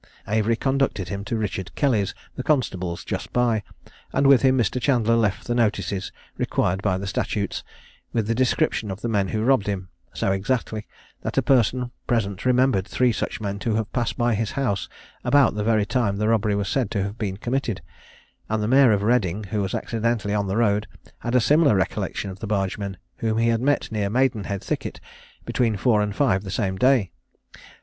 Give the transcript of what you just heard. Avery conducted him to Richard Kelly's, the constable's just by, and with him Mr. Chandler left the notices required by the statutes, with the description of the men who robbed him, so exactly, that a person present remembered three such men to have passed by his house about the very time the robbery was said to have been committed; and the mayor of Reading, who was accidentally on the road, had a similar recollection of the bargemen, whom he had met near Maidenhead thicket, between four and five the same day.